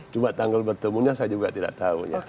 cuma tanggal bertemunya saya juga tidak tahu ya